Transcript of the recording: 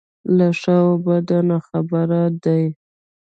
له ښه او بده ناخبره دی.